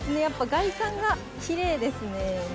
やっぱ外観がきれいですね。